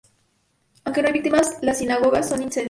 Aunque no hay víctimas, las sinagogas son incendiadas.